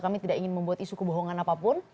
kami tidak ingin membuat isu kebohongan apapun